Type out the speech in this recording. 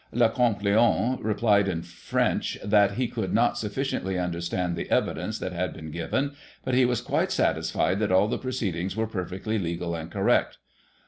Le Comte Leon replied in French, that he could not suffi ciently understand the evidence that had been given, but he was quite satisfied that all the proceedings were perfectly legal and correct.